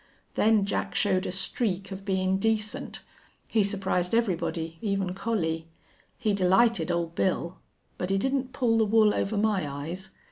Then Jack showed a streak of bein' decent. He surprised everybody, even Collie. He delighted Old Bill. But he didn't pull the wool over my eyes.